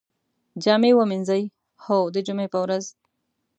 جامی ومینځئ؟ هو، د جمعې په ورځ